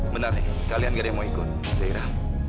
benar kalian gak ada yang mau ikut zaira